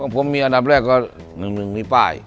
ผมมีอันดับแรกก็๑๑มีป้าย